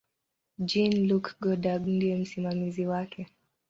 Jean-Luc Godard ndiye msimamizi wake.